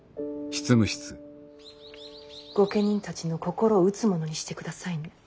御家人たちの心を打つものにしてくださいね。